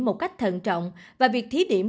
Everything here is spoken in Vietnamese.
một cách thận trọng và việc thí điểm